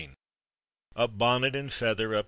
Up, bonnet and feather! etc.